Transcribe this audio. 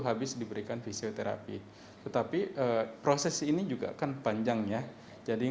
habis diberikan fisioterapi tetapi proses ini juga kan panjangnya jadi